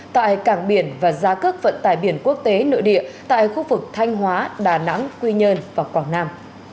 tại cảng biển và giá cước vận tải biển quốc tế nội địa tại khu vực thanh hóa đà nẵng quy nhơn và quảng nam